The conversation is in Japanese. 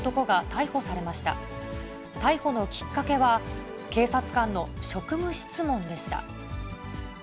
逮捕のきっかけは、警察官の職務質問でした。